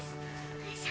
よいしょ。